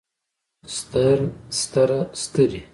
ستر ستره سترې